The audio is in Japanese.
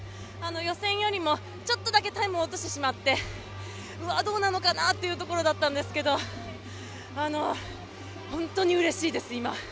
予選よりもちょっとだけタイムを落としてしまってうわ、どうなのかなというところだったんですが本当にうれしいです、今。